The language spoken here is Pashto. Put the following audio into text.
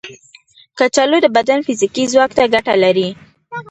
کچالو د بدن فزیکي ځواک ته ګټه لري.